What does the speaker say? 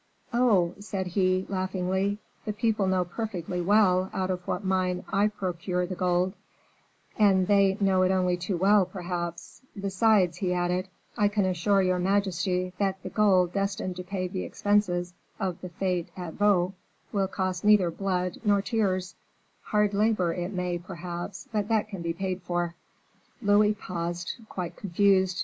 "Oh!" said he, laughingly, "the people know perfectly well out of what mine I procure the gold; and they know it only too well, perhaps; besides," he added, "I can assure your majesty that the gold destined to pay the expenses of the fete at Vaux will cost neither blood nor tears; hard labor it may, perhaps, but that can be paid for." Louis paused quite confused.